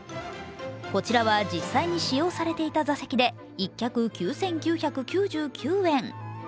こちらは実際に使用されていた座席で１脚９９９９円。